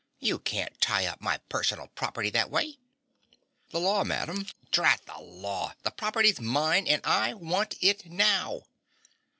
You can't tie up my personal property that way." "The law, madam " "Drat the law! The property's mine, and I want it now."